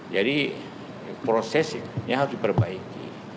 jadi prosesnya harus diperbaiki